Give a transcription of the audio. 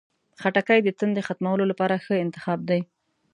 خټکی د تندې ختمولو لپاره ښه انتخاب دی.